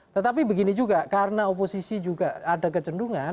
tetapi begini juga karena oposisi juga ada kecendungan